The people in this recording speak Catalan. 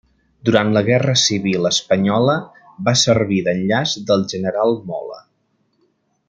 Durant la Guerra Civil Espanyola va servir d'enllaç del general Mola.